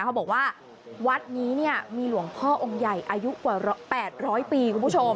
เขาบอกว่าวัดนี้มีหลวงพ่อองค์ใหญ่อายุกว่า๘๐๐ปีคุณผู้ชม